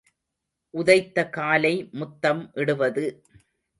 உதைத்த காலை முத்தம் இடுவது.